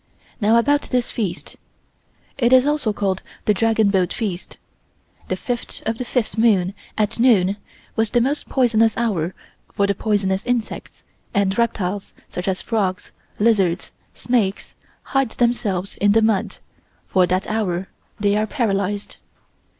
Now about this Feast. It is also called the Dragon Boat Feast. The fifth of the fifth moon at noon was the most poisonous hour for the poisonous insects, and reptiles such as frogs, lizards, snakes, hide themselves in the mud, for that hour they are paralyzed.